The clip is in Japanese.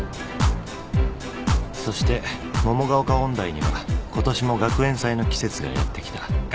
［そして桃ヶ丘音大には今年も学園祭の季節がやってきた］